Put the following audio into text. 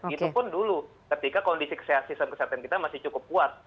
itu pun dulu ketika kondisi kesehatan kita masih cukup kuat